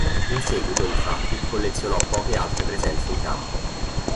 In seguito, infatti, collezionò poche altre presenze in campo.